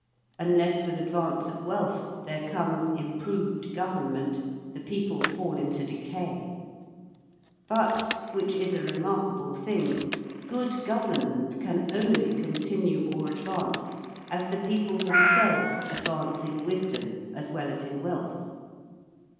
Unless with advance of wealth there comes improved government, the people fall into decay. But, which is a remarkable thing, good government can only continue or advance as the people themselves advance in wisdom as well as in wealth.